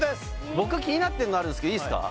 僕気になってるのあるんすけどいいすか？